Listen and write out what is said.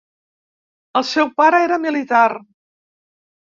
El seu pare era militar.